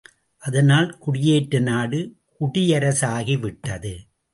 அதனால் குடியேற்ற நாடு குடியரசாகிவிட்டது.